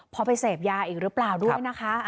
พอไปเสพยาอีกหรือเปล่าด้วยนะคะ